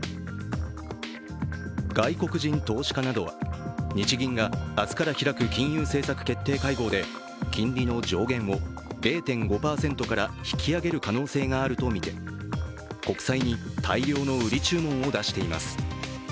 外国人投資家などは日銀が明日から開く金融政策決定会合で金利の上限を０．５％から引き上げる可能性があるとみて国債に大量の売り注文を出しています。